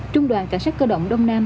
trung đoàn cảnh sát cơ động đông nam